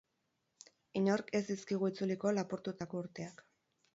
Inork ez dizkigu itzuliko lapurtutako urteak.